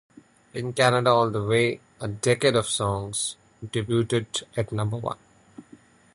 In Canada, "All the Way... A Decade of Song" debuted at number one.